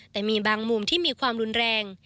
แต่มีบางมุมที่มีความรุนแรง